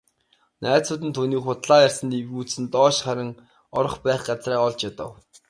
Найзууд нь түүнийг худлаа ярьсанд эвгүйцэн доош харан орох байх газраа олж ядав.